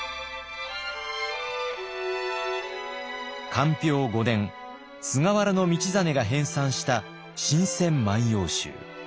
寛平五年菅原道真が編さんした「新撰万葉集」。